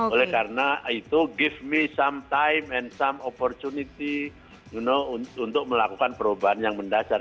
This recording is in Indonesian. oleh karena itu give me some time and some opportunity untuk melakukan perubahan yang mendasar